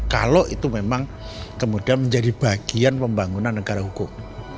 kalau itu memang kemudian menjadi bagian pembangunan negara hukum